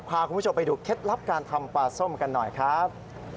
พาคุณผู้ชมไปดูเคล็ดลับการทำปลาส้มกันหน่อยครับ